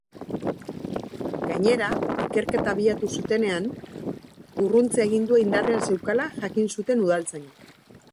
Gainera, ikerketa abiatu zutenean, urruntze agindua indarrean zeukala jakin zuten udaltzainek.